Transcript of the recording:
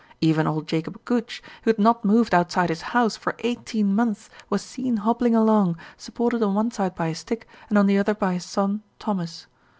Even old Jacob Gooch, who had not moved outside his house for eighteen months, was seen hobbling along, supported on one side by a stick, and on the other by his son, Thomas.